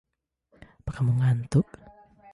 Apa kamu ngantuk?